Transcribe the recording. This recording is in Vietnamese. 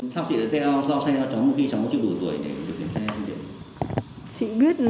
sao chị lại giao xe giao trống khi cháu chưa đủ tuổi để điều khiển xe